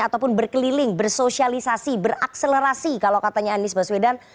ataupun berkeliling bersosialisasi berakselerasi kalau katanya anies baswedan